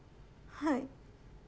はい。